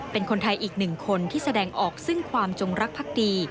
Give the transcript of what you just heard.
เป็นคนไทยอีกหนึ่งคนที่แสดงออกซึ่งความจงรักภักดี